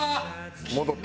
戻った。